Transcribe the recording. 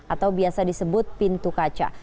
atau biasa disebut pintu kaca